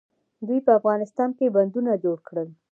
دوی په افغانستان کې بندونه جوړ کړل.